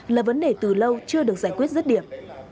là vấn đề từ lâu chưa được giải quyết rứt điểm